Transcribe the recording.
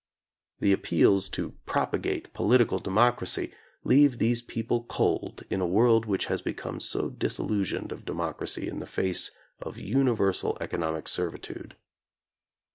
The appeals to propagate [ 103] political democracy leave these people cold in a world which has become so disillusioned of democ racy in the face of universal economic servitude.